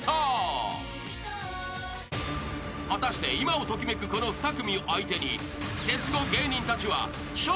［果たして今を時めくこの２組を相手にクセスゴ芸人たちは笑